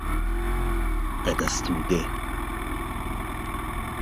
لە دەستم دێ